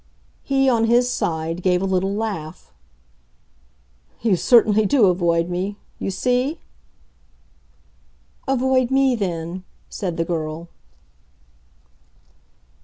He on his side, gave a little laugh. "You certainly do avoid me—you see!" "Avoid me, then," said the girl.